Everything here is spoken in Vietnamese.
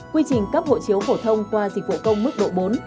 quy trình cấp hộ chiếu phổ thông qua dịch vụ công mức độ bốn